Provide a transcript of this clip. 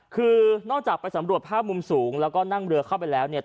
คือนอกจากไปสำรวจภาพมุมสูงแล้วก็นั่งเรือเข้าไปแล้วเนี่ย